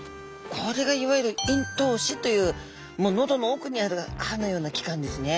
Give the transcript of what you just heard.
これがいわゆる咽頭歯というのどの奥にある歯のような器官ですね。